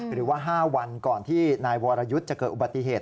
หรือว่า๕วันก่อนที่นายวรยุทธ์จะเกิดอุบัติเหตุ